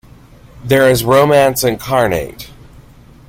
There is romance incarnate.